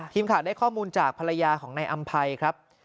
ทีมข่าวได้ข้อมูลจากภรรยาของนายอำภัยครับ